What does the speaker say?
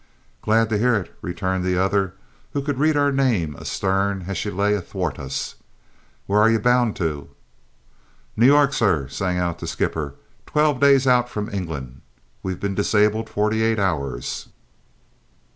"Glad to hear it," returned the other, who could read our name astern as she lay athwart us. "Where are you bound to?" "New York, sir," sang out the skipper. "Twelve days out from England. We've been disabled forty eight hours."